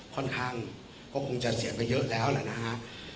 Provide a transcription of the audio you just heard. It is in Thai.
ค่อนข้างก็คงจะเสียไปเยอะแล้วแหละนะฮะ